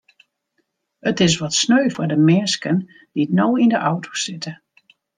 It is wat sneu foar de minsken dy't no yn de auto sitte.